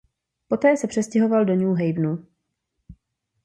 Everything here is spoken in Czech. Poté se přestěhoval do New Havenu.